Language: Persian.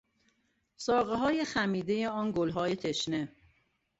ساقههای خمیدهی آن گلهای تشنه